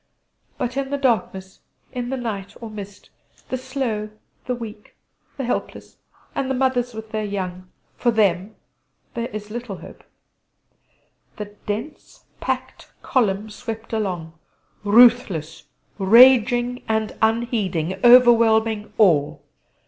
But in the darkness in the night or mist the slow, the weak, the helpless, and the mothers with their young for them is little hope. The dense packed column swept along, ruthless, raging, and unheeding, overwhelming all....